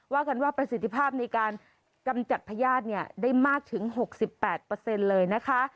ว่ากันว่าประสิทธิภาพในการกำจัดพญาติเนี่ยได้มากถึง๖๘เลยนะคะ